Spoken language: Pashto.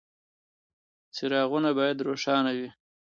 څراغونه باید روښانه وي.